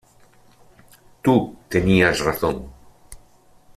Tú tenías razón.